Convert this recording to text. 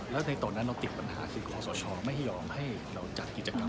แล้วในตอนนั้นเราติดปัญหาคือคอสชไม่ยอมให้เราจัดกิจกรรม